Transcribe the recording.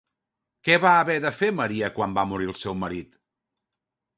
Què va haver de fer Maria quan va morir el seu marit?